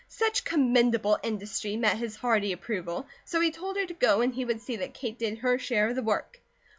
Such commendable industry met his hearty approval, so he told her to go and he would see that Kate did her share of the work.